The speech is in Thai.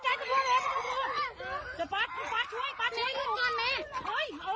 ตายแล้วต่๋วต่๋วไม่ต่อยเล้วอ่ะพี่ชายไม่ช่วย